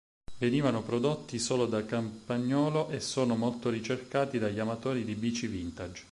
Venivano prodotti solo da Campagnolo e sono molto ricercati dagli amatori di bici vintage.